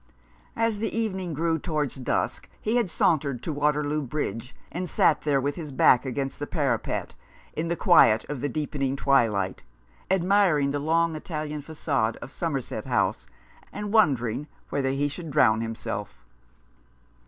As the evening grew towards dusk he had sauntered to Waterloo Bridge, and sat there with his back against the parapet, in the quiet of the deepening twilight, admiring the long Italian facade of Somerset House, and wondering whether he should drown himself.